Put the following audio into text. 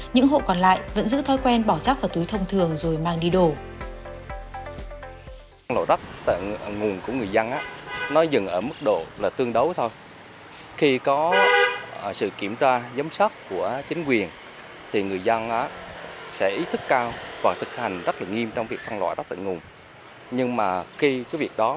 những hộ còn lại vẫn giữ thói quen bỏ rác vào túi thông thường rồi mang đi đổ